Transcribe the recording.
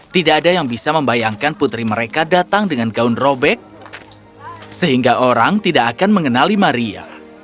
tidak ada yang bisa membayangkan putri mereka datang dengan gaun robek sehingga orang tidak akan mengenali maria